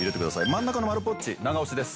真ん中の丸ぽっち長押しです。